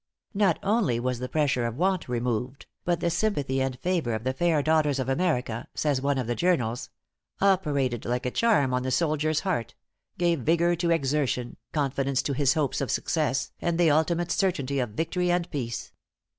Not only was the pressure of want removed, but the sympathy and favor of the fair daughters of America, says one of the journals, "operated like a charm on the soldier's heart gave vigor to exertion, confidence to his hopes of success, and the ultimate certainty of victory and peace."